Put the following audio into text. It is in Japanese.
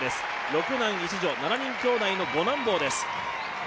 六男一女６人兄弟の五男坊です。